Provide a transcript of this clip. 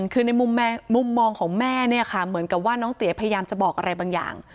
คือในมุมมองของแม่เนี่ยค่ะเหมือนกับว่าน้องเตี๋ยพยายามจะบอกอะไรบางอย่าง